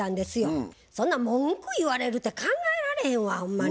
そんなん文句言われるって考えられへんわほんまに。